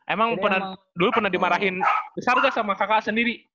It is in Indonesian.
emang dulu pernah dimarahin besar sama kakak sendiri